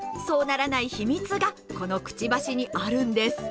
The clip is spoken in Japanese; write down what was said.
そうならない秘密がこのクチバシにあるんです。